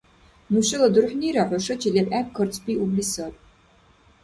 Нушала дурхӀнира хӀушачи лебгӀеб карцӀбиубли саби.